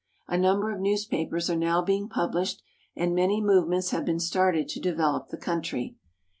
A number of newspapers are now being published, and many movements have been started to develop the country.